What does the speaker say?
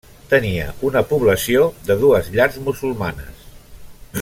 Tenia una població de dues llars musulmanes.